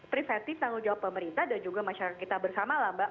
preventif tanggung jawab pemerintah dan juga masyarakat kita bersama lah mbak